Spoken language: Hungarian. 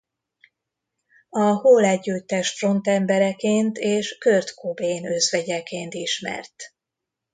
A Hole együttes frontembereként és Kurt Cobain özvegyeként ismert.